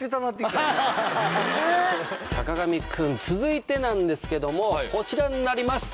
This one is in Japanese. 坂上くん続いてなんですけどもこちらになります。